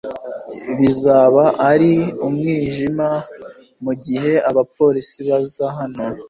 Bizaba ari umwijima mugihe abapolisi baza hano